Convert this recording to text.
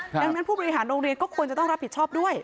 ดังนั้นผู้บริหารโรงเรียนก็ควรจะต้องรับผิดชอบด้วย